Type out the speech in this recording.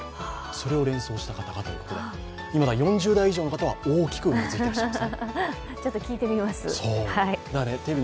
それを連想した方が多かったということで今、４０代以上の方は大きくうなずいています。